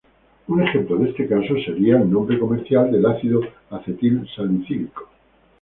Un ejemplo de este caso sería el nombre comercial del ácido acetilsalicílico.